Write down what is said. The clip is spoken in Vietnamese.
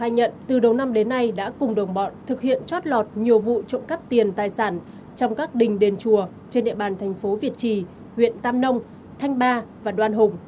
nhận từ đầu năm đến nay đã cùng đồng bọn thực hiện chót lọt nhiều vụ trộm cắp tiền tài sản trong các đình đền chùa trên địa bàn thành phố việt trì huyện tam nông thanh ba và đoan hùng